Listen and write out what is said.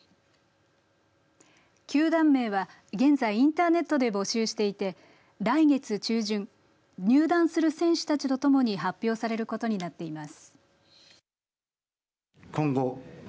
球団名は、現在インターネットで募集していて来月中旬入団する選手たちと共に発表されることになっています。